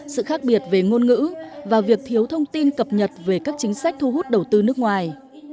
sự khác biệt về ngôn ngữ và việc thiếu thông tin cập nhật về các chính sách thu hút đầu tư nước ngoài